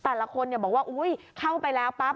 แต่ละคนบอกว่าเข้าไปแล้วปั๊บ